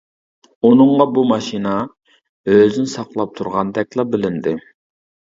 ئۇنىڭغا بۇ ماشىنا ئۆزىنى ساقلاپ تۇرغاندەكلا بىلىندى.